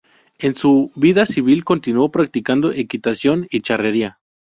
En su vida civil, continuó practicando equitación y charrería.